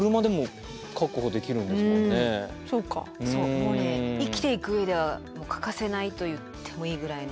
もうね生きていく上では欠かせないと言ってもいいぐらいの。